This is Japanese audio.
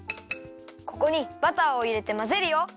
ここにバターをいれてまぜるよ。